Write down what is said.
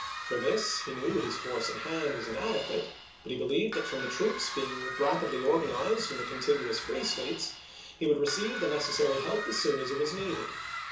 For this he knew his force in hand was inadequate ; but he believed that from the troops being rapidly organized in the contiguous free States he would receive the nec TownVn^d, essary help as soon as it was needed.